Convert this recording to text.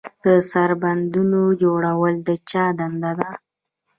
د سربندونو جوړول د چا دنده ده؟